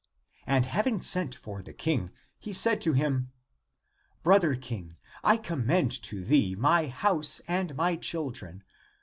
And having sent for the King, he said to him, " Brother King, I commend to thee my house and my children.